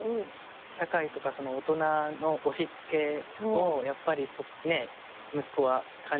社会とか大人の押し付けをやっぱり息子は感じてないからさ。